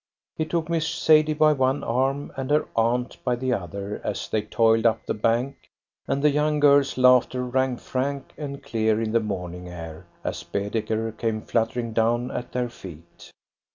He took Miss Sadie by one arm and her aunt by the other as they toiled up the bank, and the young girl's laughter rang frank and clear in the morning air as "Baedeker" came fluttering down at their feet.